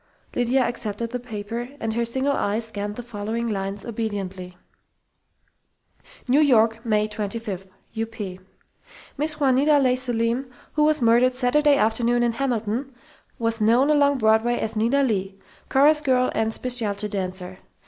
Lydia accepted the paper and her single eye scanned the following lines obediently: New York, May 25 (UP) Mrs. Juanita Leigh Selim, who was murdered Saturday afternoon in Hamilton, , was known along Broadway as Nita Leigh, chorus girl and specialty dancer.